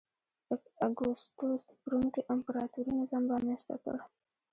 اګوستوس په روم کې امپراتوري نظام رامنځته کړ